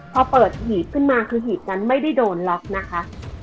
พอเปิดหีบขึ้นมาคือหีบนั้นไม่ได้โดนล็อกนะคะ